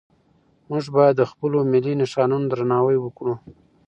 موږ باید د خپلو ملي نښانو درناوی وکړو.